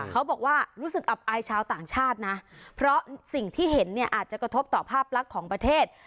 เขาบอกว่ารู้สึกอับอายชาวต่างชาตินะเพราะสิ่งที่เห็นเนี่ยอาจจะกระทบต่อภาพลักษณ์ของประเทศ